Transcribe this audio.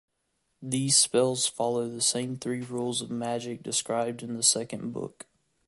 These spells follow the same three rules of magic described in the second book.